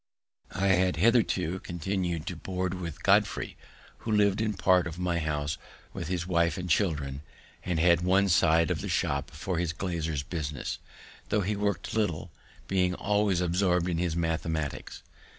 I had hitherto continu'd to board with Godfrey, who lived in part of my house with his wife and children, and had one side of the shop for his glazier's business, tho' he worked little, being always absorbed in his mathematics.